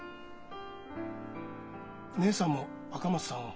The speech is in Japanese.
義姉さんも赤松さんを。